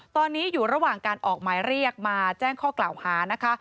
ตอนนี้อยู่ระหว่างการออกหมายเรียกมาแจ้งข้อกล่าวหานะคะ